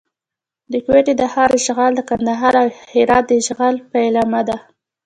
د کوټې د ښار اشغال د کندهار او هرات د اشغال پیلامه ده.